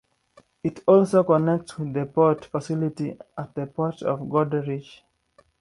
It also connects with the port facility at the Port of Goderich.